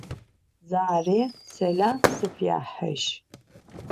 Zarêm selam sfyaxıj.